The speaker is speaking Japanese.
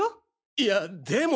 いやでも。